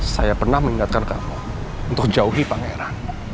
saya pernah mengingatkan kamu untuk jauhi pangeran